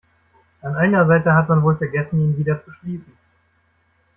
An einer Seite hat man wohl vergessen, ihn wieder zu schließen.